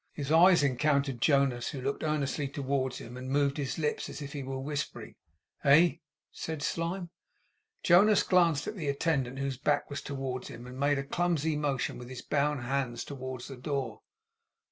His eyes encountered Jonas, who looked earnestly towards him, and moved his lips as if he were whispering. 'Eh?' said Slyme. Jonas glanced at the attendant whose back was towards him, and made a clumsy motion with his bound hands towards the door.